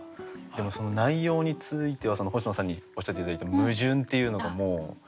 でもその内容については星野さんにおっしゃって頂いた矛盾っていうのがもう。